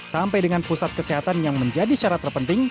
sampai dengan pusat kesehatan yang menjadi syarat terpenting